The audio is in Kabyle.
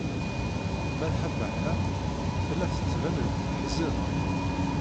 Malḥa Baḥa tella tettban-d teḥzen.